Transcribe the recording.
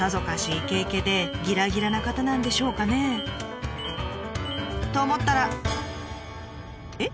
イケイケでギラギラな方なんでしょうかね？と思ったらえっ？